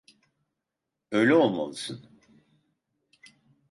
Öyle olmalısın.